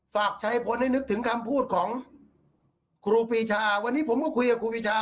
ฝากชายพลให้นึกถึงคำพูดของครูปีชาวันนี้ผมก็คุยกับครูปีชา